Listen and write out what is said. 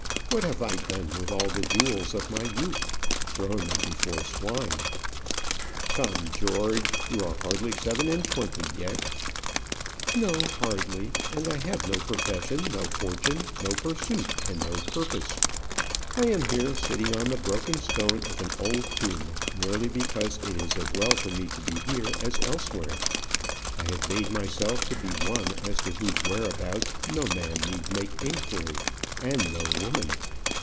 What have I done with all the jewels of my youth? Thrown them before swine!" "Come, George; you are hardly seven and twenty yet." "No, hardly; and I have no profession, no fortune, no pursuit, and no purpose. I am here, sitting on the broken stone of an old tomb, merely because it is as well for me to be here as elsewhere. I have made myself to be one as to whose whereabouts no man need make inquiry and no woman.